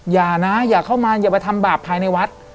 อย่านะอย่าเข้ามาอย่าไปทำบาปภายในวัด